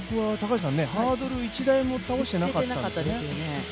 ハードル１台も倒していなかったですね。